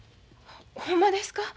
ほんまですか？